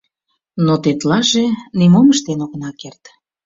Но тетлаже нимом ыштен огына керт.